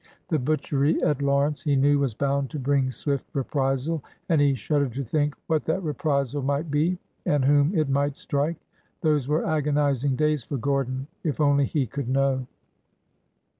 The butchery at Lawrence he knew was bound to bring swift reprisal, and he shuddered to think what that reprisal might be, and whom it might strike. Those were agonizing days for Gordon. If only he could know